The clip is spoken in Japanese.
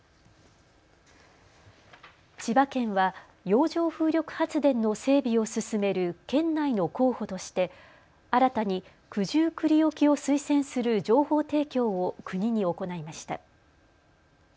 千葉県は洋上風力発電の整備を進める県内の候補として新たに九十九里沖を推薦する情報提供を国に行いました。